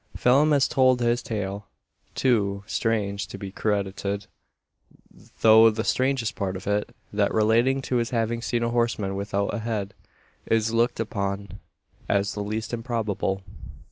Phelim has told his tale too strange to be credited; though the strangest part of it that relating to his having seen a horseman without ahead is looked upon as the least improbable!